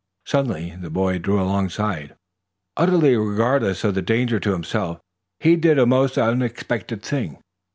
Suddenly the boy drew alongside. Utterly regardless of the danger to himself, he did a most unexpected thing.